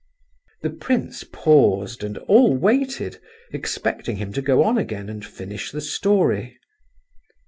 The prince paused and all waited, expecting him to go on again and finish the story.